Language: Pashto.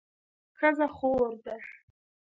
ښځه خور ده